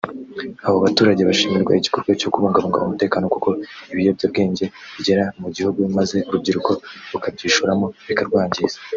Abo baturage bashimirwa igikorwa cyo kubungabunga umutekano kuko ibi biyobyabwenge bigera mu gihugu maze urubyiruko rukabyishoramo bikarwangiza